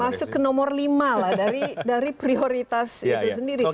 masuk ke nomor lima lah dari prioritas itu sendiri